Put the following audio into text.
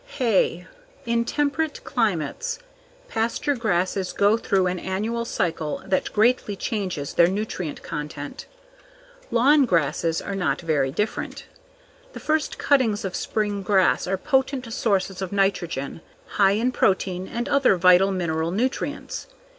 Hay. In temperate climates, pasture grasses go through an annual cycle that greatly changes their nutrient content. Lawn grasses are not very different. The first cuttings of spring grass are potent sources of nitrogen, high in protein and other vital mineral nutrients.